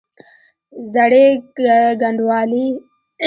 زړې ګنډوالې!